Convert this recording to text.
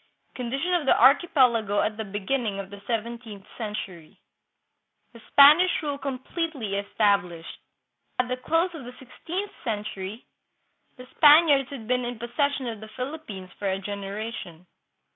Condition of the Archipelago at the Beginning of the Seventeenth Century. The Spanish Rule Completely Established. At the close of the sixteenth century the Spaniards had been in possession of the Philippines for a generation.